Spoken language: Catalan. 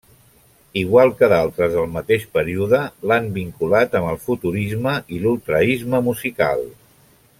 Igual que d'altres del mateix període, l'han vinculat amb el futurisme i l'ultraisme musical.